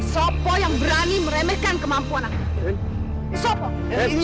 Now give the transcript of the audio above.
sopo yang berani meremehkan kemampuan aku